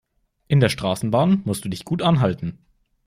In der Straßenbahn musst du dich gut anhalten.